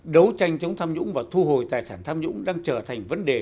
đấu tranh chống tham nhũng và thu hồi tài sản tham nhũng đang trở thành vấn đề